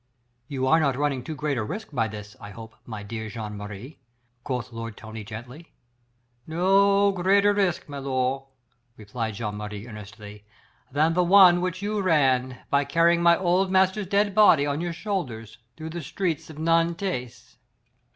"You are not running too great a risk by this, I hope, my good Jean Marie," quoth Lord Tony gently. "No greater risk, milor," replied Jean Marie earnestly, "than the one which you ran by carrying my old master's dead body on your shoulders through the streets of Nantes."